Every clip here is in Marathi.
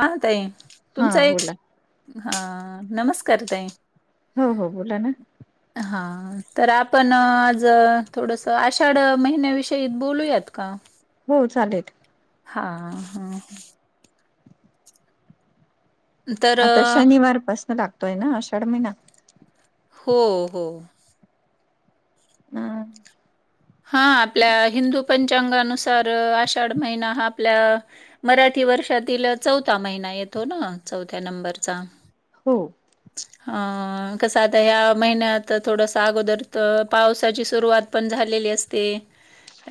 हा ताई हा तुमचा एक बोला हा नमस्कार ताई हो हो बोला ना हा तर आपण आज थोडस आषाढ महिन्याविषयी बोलूयात का हो चालेल हा हा तर आता अ, शनिवारपासून लागतोय ना आषाढ महिना हो हो हम हा आपल्या हिंदू पंचांगानुसार आषाढ महिना हा आपल्या मराठी वर्षातील चौथा महिना येतो ना चौथ्या नंबरचा हो. अ कसं आता ह्या महिन्यात थोडस अगोदर पावसाची सुरुवात पण झालेली आहे.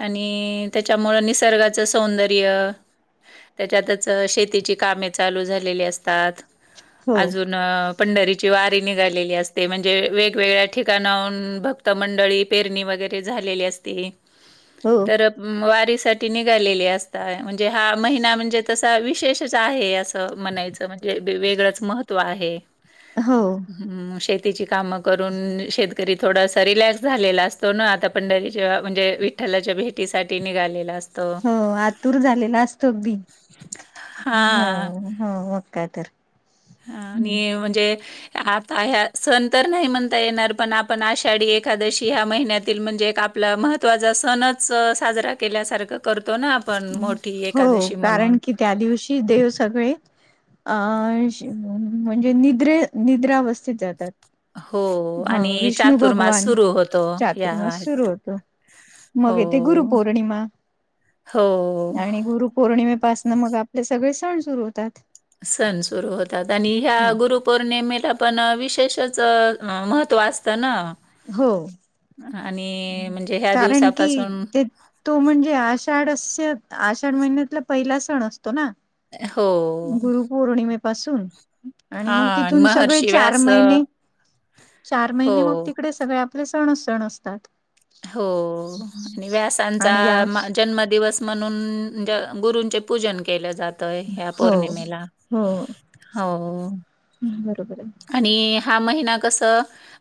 आणि त्याच्यामु निसर्गाच सौंदर्य. त्याच्यातच शेतीची कामे चालू झालेली असतात हो अजून. पंढरीची वारी निघालेली असते म्हणजे वेगवेगळ्या ठिकाणाहून. मंडळी पेरणी वगैरे झालेली असते हो तर वारीसाठी निघालेली असत म्हणजे हा महिना म्हणजे तसा विशेषच आहे असं म्हणायचं म्हणजे वेगळंच महत्त्व आहे हो ह् शेतीची कामं करून शेतकरी थोडासा रिलॅक्स झालेला असतो ना आता पण डारे जेव्हा म्हणजे विठ्ठलाच्या भेटीसाठी निघालेला असतो हो आतुर झालेला असतो अगदी हो हां. हो मग काय तर. हा आणि म्हणजे आता ह्या सण तर नाही म्हणता येणार पण आपण आषाढी एकादशी ह्या महिन्यातील म्हणजे आपला महत्त्वाचा सणच साजरा केल्यासारखं करतो ना. पण हम्म मोठी हो एकादशी कारण म्हणून की त्या दिवशी देव सगळे. अ म्हणजे निद्रे निद्रावस्थित जातात हो हा आणि विष्णु चातुर्मास भगवान सुरू होतो या चातुर्मास सुरूत. मग ये ते हो. गुरुपौर्णिमा हो आणि गुरुपौर्णिमेपासन मग आपले सगळे सण सुरू होतात सण सुरू होतात आणि ह्या गुरु. पौर्णिमेला पण विशेषच महत्व असतं ना. हो आणि म्हणजे ह्या कारण की दिवसापासून ते तो म्हणजे आषाढ आषाढ महिन्यातला पहिला सण असतो ना हो. गुरुपौर्णिमे पासून आणि मग हां तिथून सगळे महर्षी चार व्यास अ, महिने चार महिने मग हो. तिकडे सगळे आपले सण उ सण असतात हो आणि आणि या व्यासांचा जन्म दिवस म्हणून गुरूंचे पूजन केलं जातय ह्या हो पौर्णिमेला. हो ह् बरोबर आहे आणि हा महिना कस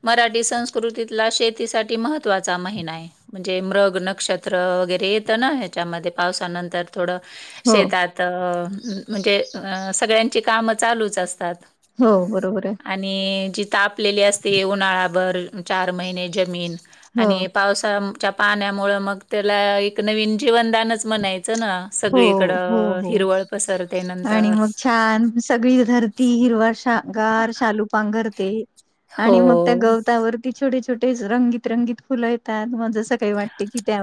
मराठी संस्कृतीतला शेतीसाठी महत्त्वाचा महि आहे म्हणजे मृग नक्षत्र वगैरे येतं ना ह्याच्यामध्ये पावसानंतर. थोडं हो शेतात म्हणजे सगळ्यांची कामं चालूच असतात हो बरोबर आहे आणि जी तापलेली असते उन्हाळा्यावरर चार महिने जमीन हो आणि पावसाच्या पाण्यामुळं मग त्याला एक नवीन जीवनदानच म्हणायचं ना. हो हो सगळीकडं हो हिरवळ पसरते आणि नंतर मग छान सगळी धरती हिरवा शगार शालू पांघरते हो, आणि मग त्या गवतावर. ते छोटे छोटे रंगीत रंगीत फुलं येतात म जसं काही वाटते की त्या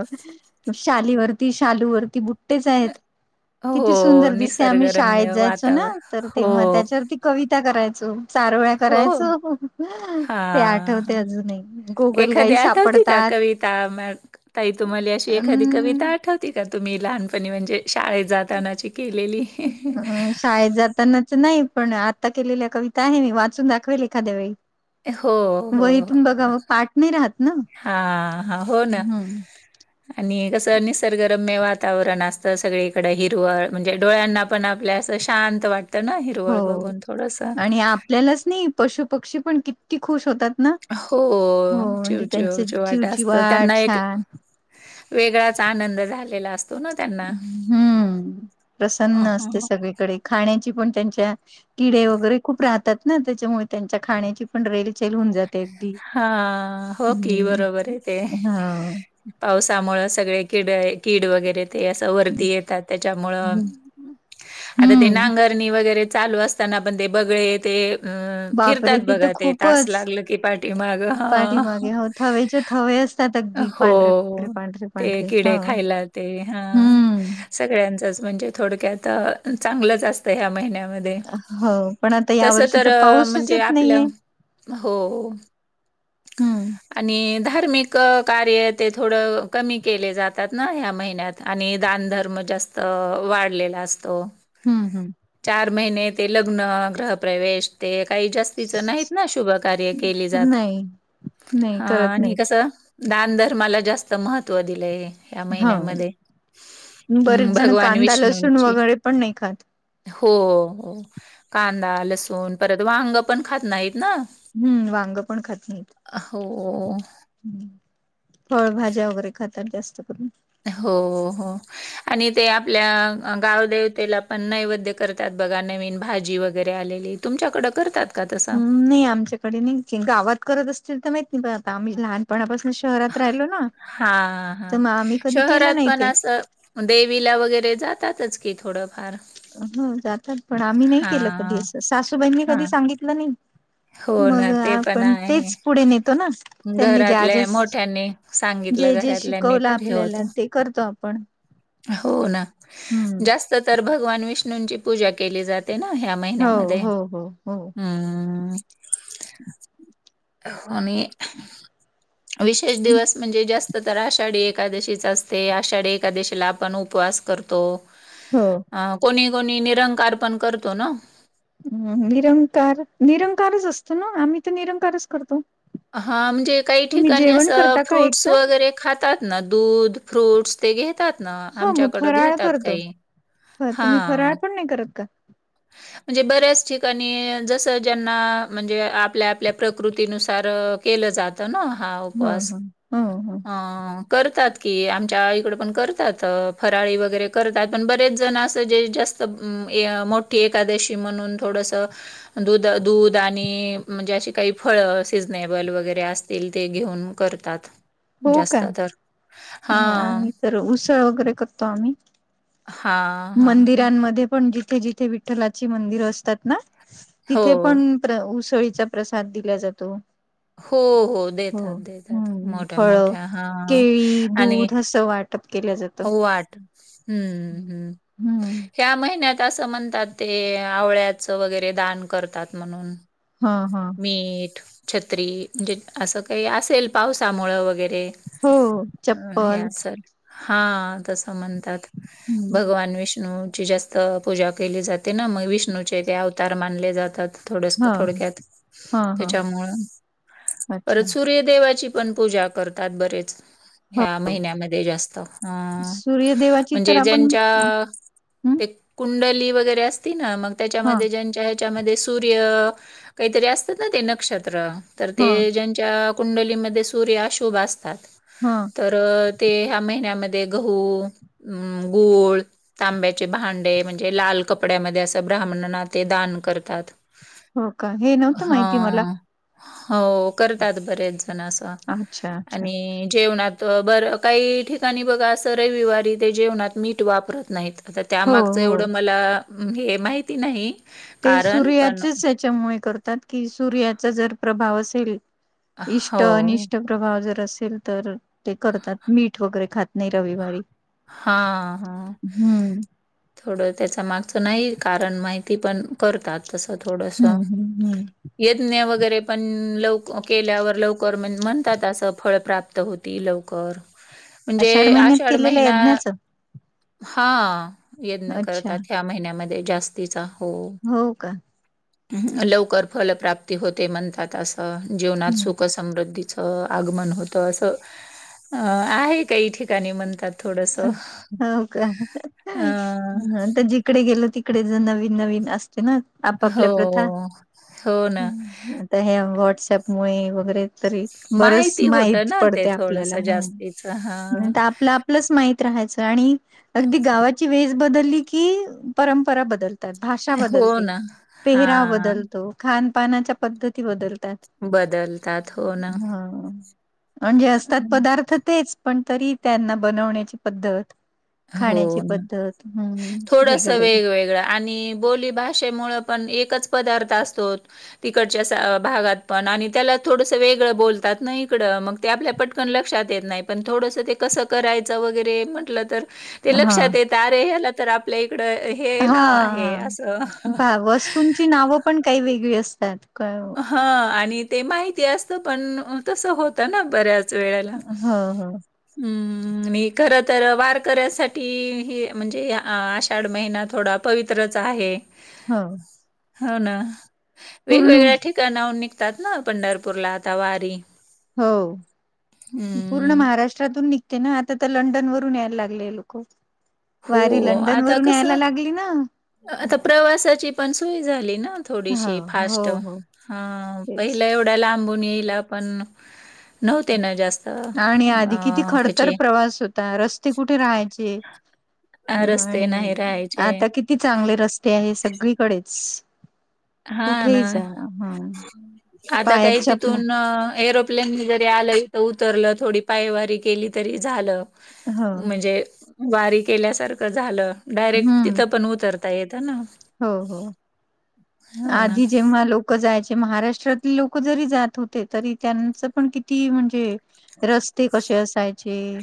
शालीवरती शालूवररती बुट. आहेत किती हो सुंदर दिसते आम्ही शाळेत निसर्गरम्य जायचो ना वातावरण तर तेव्हा हो, त्याच्यावरती कविता करायचं. चारव्या हो. करायच ते हां, आठवते हां. अजूनही एखादी गोगलगाई आठवती का सापडतात कविता ताई तुम्हाला अशी अ एखादी कविता आठव ते का तुम्ही लहानपणी म्हणजे शाळेत जातानाची केलेली शाळेत जात जातानाच नाही पण आता केलेल्या कविता आहे ना वाचून दाखवेल एखाद्या वेळी हो हो वहीतून बघा मग पाठ नाही राहत ना हा ह हो ना हम्म आणि कसं निसर्गरम्य वातावरण असतं सगळीकडं हिरवळ म्हणजे डोळ्यांना पण आपल्या असं शांत वाटतं ना हिरवळ हो बघून थोडस आणि आपल्यालाच नाही पशु पक्षी पण किती खुश होतात ना हो हो चिव म्हणजे त्यांचे चिव चिवाट असत चिवचिवाट त्यांना एक छान वेगळाच आनंद झालेला असतो ना त्यांना. हम्म अ, प्रसन्न हां, असते हां. सगळीकडे खाण्याची पण त्यांच्या किडे वगैरे खूप राहतात ना त्याच्यामुळे त्यांच्या खाण्याची पण रेलचेल होऊन जात हा होकी बरोबर हे ते हा. पावसामुळे सगळे किड कीड वगैरे ते अस वरती येतात त्याच्यामुळेआता ते हम्म नांगर नागरनी वगैरे चालू असताना पण ते बगळे ते अ बापरे फिरतात तर बघा ते तास खूपच. लागलं की पाठी माग हा पाठीमागे हो थवेचे थवे असतात अगदी हो पांढरे पांढरे पांढरे ते पांढरे किडे हो. खायलात ते हा हम्म सगळ्यांचच म्हणजे थोडक्यात चांगलंच असतं ह्या महिन्यामध्ये हो पण आता या तस वर्षी तर पाऊसच म्हणजे येत आपलं नाहीये हो हम्म आणि धार्मिक कार्य ते थोडं कमी केले जातात ना ह्या महिन्यात आणि दानधर्म जास्त वाढलेला असतो हम्म हम्म चार महिने ते लग्न ग्रह प्रवेश ते काही जास्त तिच नाहीत ना शुभ कार्य केली जात नाही नाही हा करत आणि नाहीत. कस दानधर्माला जास्त महत्त्व दिलंय या हां. महिन्यामध्ये बरेच हम् जण भगवान कांदा, लसूण विष्णूंची वगैरे पण नाही खात. हो कांदा लसूण परत वांग पण खात नाहीत ना हम्म वांग पण खात नाहीत अ हो फळभाज्या वगैरे खातात जास्त करून हो हो आणि ते आपल्या गावदेवतेला पण नैवेद्य करतात बघा नवीन भाजी वगैरे आलेली तुमच्याकडं करतात का तसं? नाही आमच्याकडे नाही गावात करत असतील तर माहित नाही पण आता आम्ही लहानपणापासून शहरात राहिलो ना, हा हा तर मग आम्ही कधी केलं शहरात नाही पण ते. असं देवीला वगैरे जातातच की थोडंफार हो जातात पण आम्ही नाही केलं कधी हां असं सासूबाईंनी कधी हां. सांगितलं नाही हो मग ना ते पण आपण आहे. तेच पुढे नेतो ना त्यांनी ज्या घरातल्या आजेस मोठ्यांनी सांगितलं जे जे घरातल्यांनी शिकवलं तर हे आपल्याला होतं. ते करतो आपण हो ना हं. जास्त तर भगवान विष्णूंची पूजा केली जाते ते ना ह्या हो महिन्यामध्ये हम्म हम् आणि [inaudible] विशेष दिवस म्हणजे जास्त तर आषाढी एकादशीच असते आषाढी एकादशीला आपण उपवास करतो करतो हो कोणी कोणी निरंकार पण करतो ना हम् निरंकार निरंकारच असतो ना आम्ही तर निरंकारच करतो हा म्हणजे काही तुम्ही ठिकाणी जेवण असं करता का फ्रूट्स एकदा वगैरे खातात ना दूध फ्रूट्स ते घेतात ह मग आमच्याकडं फराळ घेतात काही हा कोड नाही करत का [unintelligible] म्हणजे बऱ्याच ठिकाणी जसं ज्यांना म्हणजे आपल्या आपल्या प्रकृतीनुसार केलं जात ना हा ह उपवास ह ह ह अ करतात की आमच्या इकड पण करतात फराळी वगैरे करतात पण बरेच जण असं जे जास्त मोठी एकादशी म्हणून थोडस दध दूध आणि म्हणजे अशी काही फळं सिजनेबल वगैरे असतील ते घेऊन करतात ह जास्त तर आणि हां तर उसाळ वगैरे करतो आम्ही हा मंदिरांमध्ये पण जिथे जिथे विठ्ठलाची मंदिरं असतात ना हो तिथे पण उसळीचा प्रसाद दिला जातो हो हो देतात देतात हम्म मोठ्या फळ मोठ्या हा केळी दूध असं वाटप केलं जातं हो वाट हम्म् हम् हम्म ह्या महिन्यात असं म्हणतात ते आवळ्याचं वगैरे दान करतात म्हणून हा हा मीठ छत्री म्हणजे असं काही असेल पावसामुळं वगैरे हो अ हे चप्पल सल हा तसं म्हण हम्म भगवान विष्णूची जास्त पूजा केली जाते ना मग विष्णूचे ते अवतार मानले जातात थोडस हा थोडक्यात हा हा त्याच्यामुळं अच्छा परत सूर्यदेवाची पण पूजा करतात बरेच हो ह्या महिन्यामध्ये जास्त ह सूर्यदेवाची तर म्हणजे आपण ज्यांच्या हम्म कुं वर अस म त्याच्या हा ज स काहीत असतात नत्र हा जच्या कुंडलीमध्ये सूर्यशुभ असतात हम तर ते ह्या महिन्यामध्ये गहू गूळ तांब्याचे भांडे म्हणजे लाल कपड्यामध्ये असं ब्राह्मण ना ते दान करतात हो का हे नव्हतं हा माहिती मला हो करतात बरेच जण अस अच्छा अच्छा आणि जेवणात बर काही िकाणी बा अस रवारी जेव वापत नाही हो त्याग हो एढं मला हे माहिती नाही ते कारण पण सूर्याचे तात की स्याचा जर प्रभाव असेल इ अन हो. प्रभाव जर असेल तर ते करतात मीठ वगैरे खात नाही रविवारी हा हा हम्म थोडं त्याचा मागचं नाही कारण माहिती पण करतात तसं थोडस हम्म हम्म हम्म यज्ञ वगैरे पण लव केल्यावर लवकर म्ह म्हणतात असं फळ प्राप्त होती लवकर आषाढ महिन्यात केलेलं यज्ञाचं हा यजन अच्छा करतात ह्या महिन्यामध्ये जास्त हो का लवकर फलप्राप्ती होते म्हणतात असं जीवनात हम्म सुख समृद्धीच आगमन होतं असं अ आहे काही ठिकाणी म्हणतात. थोडंसं. हो का अ, ह ज तिकडे गेल तिकडे जर नवीन नवीन असते ना. हो. आपापल्या प्रथा हो ना. आता हे व्हॉट्सअप मुळे वगैरे त बरच माहिती होतं माहती ना ते पडते आपल्याला थोडंसं ह. जास्तीचं. हां. आपलं आपलंच माहित राहायचं आणि अगदी गावाची वेज बदलली की परंपरा बदलते. भाषा हो बदलते ना. पेहराव हां. बदलतो खान पानाच्या पद्धती बदलतो. बदलतात. हो ना. हा म्हणजे असतात हं. पदार्थ तेच पण तरी त्यांना बनवण्याची पद्धत. हो खाण्याची ना पद्धत हम्म थोडस वेगळं वेगळं वेगवेगळं आणि बोल. भाषेमुळे पण एकच पदार्थ असतो. तिकडच्या भागात पण आणि त्याला थोडंस वेगळं बोलतात ना इकड मग ते आपल्या पटकन लक्षात येत नाही पण थोडंसं ते कसं करायचं वगैरे म्हटलं तर ते हा लक्षात येत अरे ह्याला तर आपल्या इकड. हा हे नाव आहे असं. ची नाव पण काही वेगळी असतात. क हो हा आणि ते माहिती असत पण तसं होतं ना बऱ्याच वेळाला हो हम्म आणि खर तर वारकऱ्यासाठी हे म्हणजे आषाढ महिना थोडा पवित्रच आहे. हा. हो ना वेगवेगळ्या िकणाहून निघतात ना पंढरपूरला आता वारी हो पूर्ण हं. महाराष्ट्रातून नि ते ना आता तर लंडन वरून यायला लागले लोक. हो. वारी लंडन आता वरून यायला कसं लागली ना. आता प्रवासाची पण सोय झाली ना. हो थोडीशी हो फास्ट हो. तेच पहिला एवढा लांबून येईला पण नव्हते ना जास्त अ ह्याचे आता रस्ते कुठे राहायचे अ, रस्ते आणि नाही राहायचे. आता किती? किती चांगले रस्ते आहे सगळीकडेच हां ना. कुठेही जा हा. आता पायात काही चपला तिथून एरोप आपल्यांनी जरी आलं इथं उतरलं थोडी पायवारी केली तरी झालं. हो म्हणजे वारी केल्याार झालं डायरेक् हम्म तिथ पण उतरत. तायेत ना. हो हो हो ना. आधी जेव्हा लोक. लक जायचे महाराष्ट्रातले लोक जरी जात होते तरी त्यांचं पण किती म्हणजे रस्ते कसे असाय. म्हणे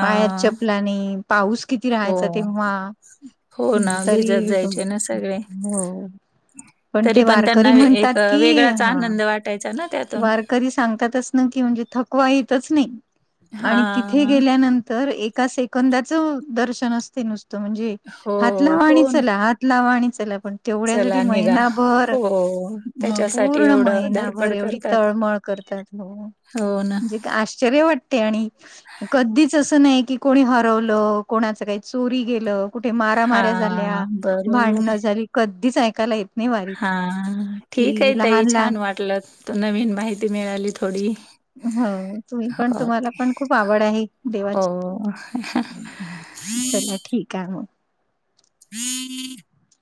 पायार चपला नाही पाऊस किती हो. राहायचा तेव्हा हो ह् ना. भिजत तरीिक. जायचे ना सगळे. हो पण तरी ते वारकरी त्यांना म्हणतात एक अ, कि वेगळाच हा. आनंद वाटायचा ना त्या वारकरी सांगतातच. म्हण हां. तथेेल्या ए. कंदाचं दर्शन असते नुसतं म्हणजे हो, हात लावा आणि हो ना. चला हात लावा आणि चला पण तेवढ्यासाठी चला निघा. महिनाभर हो. म त्याच्यासाठी पूर्ण एवढं महिनाभर धडपड एवढी. करतात. तळमळ करतात हो हो ना. म्हणजे आश्चर्य वाटत. ते आणि कधीच असं नाही की कोणी हरवलं कोणाच काही चोरी गेलं. कुठे मारा मऱ्या झाल्या हां, बरोबर भांडण झाली कधीच ऐकायला येत. नाही वारीत. हा ठीक कि आहे तई लहान लहान छान वाटलं त नवीन माहिती मिळाली थोडी हो तुम्ही पण हो, तुम्हाला ओके. पण खूप आवड आहे देवाची हो. चला ठीक आहे म हम्म.